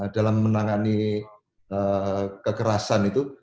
dalam menangani kekerasan itu